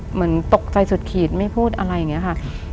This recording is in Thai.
เหมือนตกใจสุดขีดไม่พูดอะไรอย่างนี้ค่ะ